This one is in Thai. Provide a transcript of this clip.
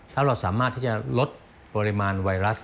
ถ้าเราสามารถที่จะลดปริมาณไวรัส